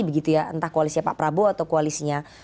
begitu ya entah koalisinya pak prabowo atau koalisinya